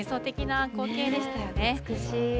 美しい。